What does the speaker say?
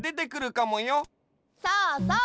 そうそう！